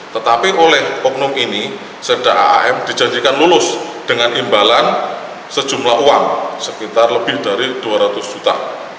tetapi oleh oknum ini serda aam dijadikan lulus dengan imbalan sejumlah uang sekitar lebih dari dua ratus juta